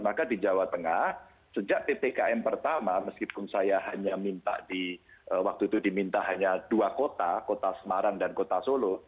maka di jawa tengah sejak ppkm pertama meskipun saya hanya minta di waktu itu diminta hanya dua kota kota semarang dan kota solo